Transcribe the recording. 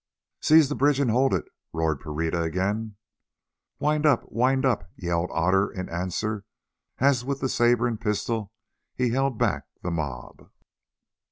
"Seize the bridge and hold it," roared Pereira again. "Wind up! wind up!" yelled Otter in answer, as with sabre and pistol he held back the mob.